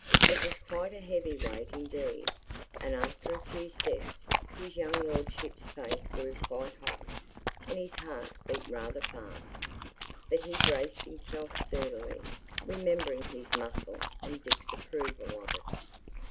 It was quite a heavy weight indeed, and after a few steps his young lordship's face grew quite hot, and his heart beat rather fast, but he braced himself sturdily, remembering his muscle and Dick's approval of it.